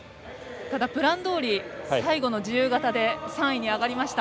ただ、プランどおり最後の自由形で３位に上がりました。